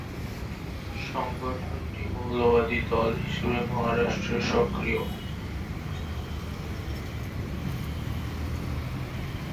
সংগঠনটি মৌলবাদী দল হিসাবে মহারাষ্ট্রে সক্রিয়।